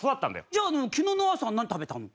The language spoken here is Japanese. じゃあ昨日の朝は何食べたんだ？